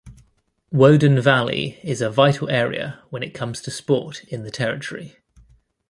Woden Valley is a vital area when it comes to sport in the Territory.